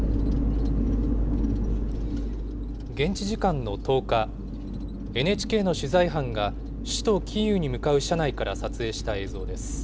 現地時間の１０日、ＮＨＫの取材班が、首都キーウに向かう車内から撮影した映像です。